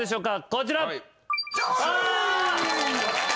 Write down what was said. こちら。